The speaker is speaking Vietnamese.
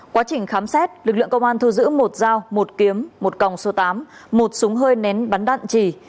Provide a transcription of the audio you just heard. quá trình khám xét lực lượng công an thu giữ một dao một kiếm một còng số tám một súng hơi nén bắn đạn chỉ